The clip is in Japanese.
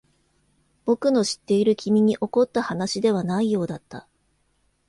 僕の知っている君に起こった話ではないようだった。